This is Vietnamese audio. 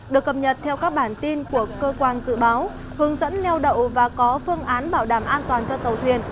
được cập nhật theo các bản tin của cơ quan dự báo hướng dẫn neo đậu và có phương án bảo đảm an toàn cho tàu thuyền